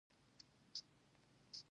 د اکنه د پوست غدودونو بندېدل دي.